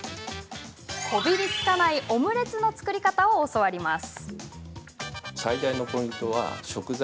こびりつかないオムレツの作り方を教わります。